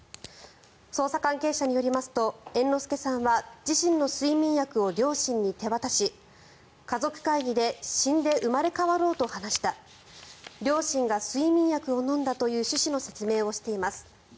捜査関係者によりますと猿之助さんは自身の睡眠薬を両親に手渡し家族会議で死んで生まれ変わろうと話した両親が睡眠薬を飲んだという趣旨の説明をしています。